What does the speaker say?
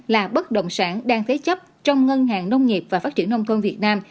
là bất động sản đang thế chấp trong ngân hàng nông nghiệp và phát triển nông thôn việt nam